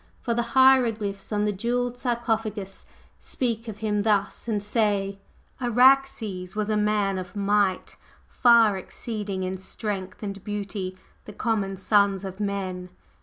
For the hieroglyphs on the jewelled sarcophagus speak of him thus and say: "Araxes was a Man of Might, far exceeding in Strength and Beauty the common sons of men.